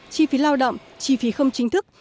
chi phí lao động chi phí không chính thức